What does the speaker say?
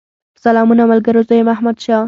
سلامونه ملګرو! زه يم احمدشاه